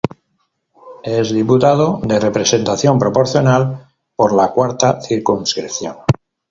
Es diputado de representación proporcional por la cuarta circunscripción.